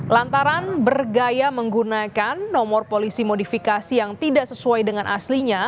lantaran bergaya menggunakan nomor polisi modifikasi yang tidak sesuai dengan aslinya